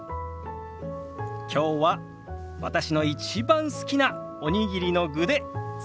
きょうは私の一番好きなおにぎりの具で作ってみました。